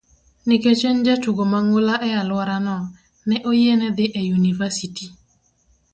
Nikech ne en jatugo mang'ula e alworano, ne oyiene dhi e yunivasiti.